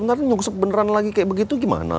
nanti nyungsep beneran lagi kayak begitu gimana